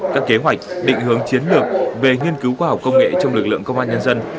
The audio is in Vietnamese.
các kế hoạch định hướng chiến lược về nghiên cứu khoa học công nghệ trong lực lượng công an nhân dân